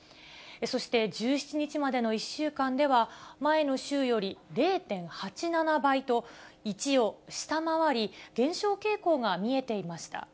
そして１７日までの１週間では、前の週より０．８７倍と、１を下回り、減少傾向が見えていました。